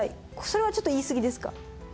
それはちょっと言いすぎですか？